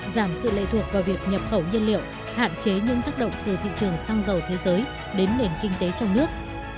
giảm sự lệ thuộc vào việc nhập khẩu nhiên liệu hạn chế những tác động từ thị trường xăng dầu thế giới đến nền kinh tế trong nước